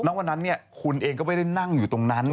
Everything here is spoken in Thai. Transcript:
วันนั้นเนี่ยคุณเองก็ไม่ได้นั่งอยู่ตรงนั้น